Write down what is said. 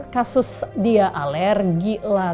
kasus dia alergi lah